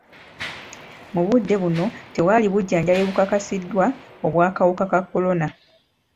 Mu budde buno tewali bujjanjabi bukakasiddwa obw'akawuka ka kolona.